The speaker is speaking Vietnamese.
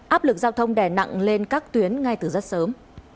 áp lực giao thông đẻ nặng lên các tuyến ngay từ rất sớm